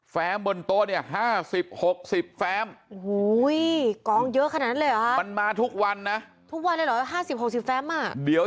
แฟมบนโต๊ะเนี่ย